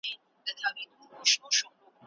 هغه کس چي پوهه لري، په ټولنه کي مقام لري.